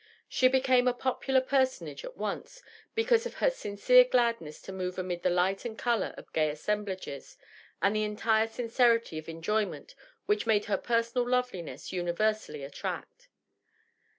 She became a popular personage at once, because of her sincere gladness to move amid the light and color of gay assemblages and the entire sincerity of enjoyment which made her personal loveliness universally attract.